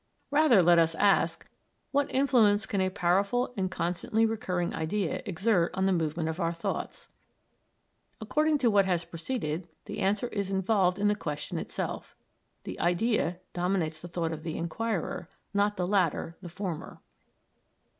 Rather let us ask, what influence can a powerful and constantly recurring idea exert on the movement of our thoughts? According to what has preceded, the answer is involved in the question itself. The idea dominates the thought of the inquirer, not the latter the former.